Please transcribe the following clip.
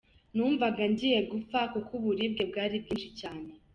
Numvaga ngiye gupfa kuko uburibwe bwari bwinshi cyane.